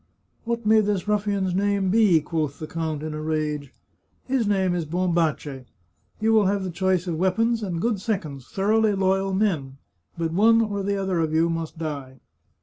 " What may this ruffian's name be ?" quoth the count in a rage. " His name is Bombace. You will have the choice of weapons, and good seconds, thoroughly loyal men ; but one or the other of you must die."